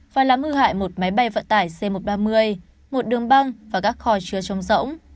và làm hư hại một máy bay vận tải c một trăm ba mươi một đường băng và các kho chứa trong rỗng